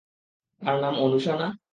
তার নাম অনুশা না?